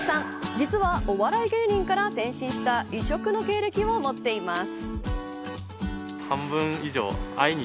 実は、お笑い芸人から転身した異色の経歴を持っています。